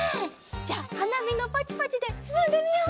じゃあはなびのパチパチですすんでみよう。